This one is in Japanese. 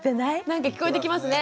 なんか聞こえてきますね。